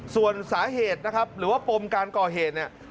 ส่วนสาเหตุนะครับหรือว่าปมการก่อเหตุเนี่ย